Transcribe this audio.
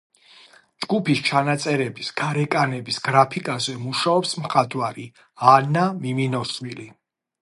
ჯგუფის ჩანაწერების გარეკანების გრაფიკაზე მუშაობს მხატვარი ანა მიმინოშვილი.